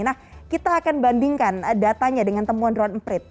nah kita akan bandingkan datanya dengan temuan drone emprit